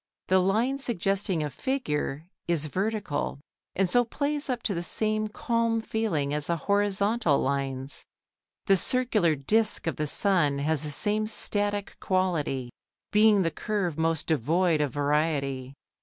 The line suggesting a figure is vertical and so plays up to the same calm feeling as the horizontal lines. The circular disc of the sun has the same static quality, being the curve most devoid of variety.